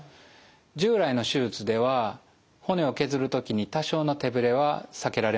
従来の手術では骨を削る時に多少の手ぶれは避けられません。